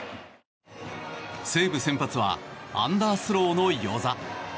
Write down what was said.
西武先発はアンダースローの與座。